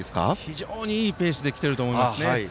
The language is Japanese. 非常にいいペースできてると思います。